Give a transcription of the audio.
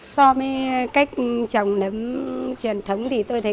so với cách trồng nấm truyền thống thì tôi thấy